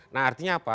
nah artinya apa